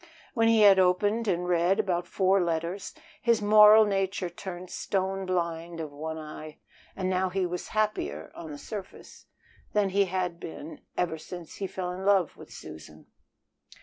When he had opened and read about four letters, his moral nature turned stone blind of one eye. And now he was happier (on the surface) than he had been ever since he fell in love with Susan.